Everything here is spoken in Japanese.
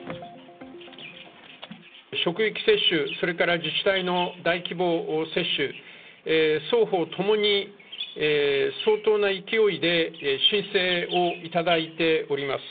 職域接種、それから自治体の大規模接種、双方ともに相当な勢いで申請を頂いております。